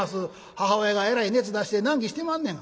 「母親がえらい熱出して難儀してまんねん」。